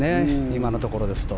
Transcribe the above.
今のところですと。